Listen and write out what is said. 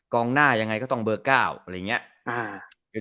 กองหน้ายังไงก็ต้องเบอร์เก้าอะไรอย่างเงี้ยอ่ะอ่า